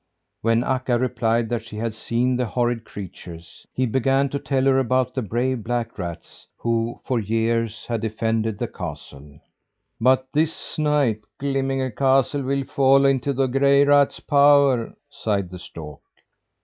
When Akka replied that she had seen the horrid creatures, he began to tell her about the brave black rats who, for years, had defended the castle. "But this night Glimminge castle will fall into the gray rats' power," sighed the stork.